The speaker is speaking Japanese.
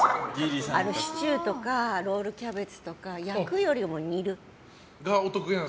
シチューとかロールキャベツとか焼くよりも煮る。